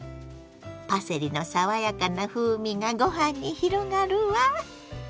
パセリの爽やかな風味がご飯に広がるわ。